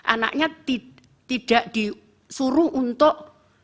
anaknya tidak disuruh untuk